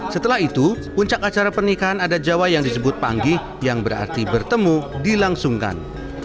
setelah itu puncak acara pernikahan adat jawa yang disebut panggih yang berarti bertemu dilangsungkan